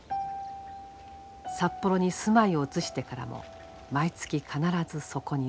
札幌に住まいを移してからも毎月必ずそこに向かう。